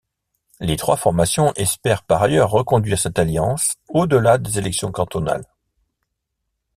Les trois formations espèrent par ailleurs reconduire cette alliance au-delà des élections cantonales.